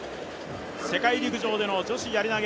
世界陸上での女子やり投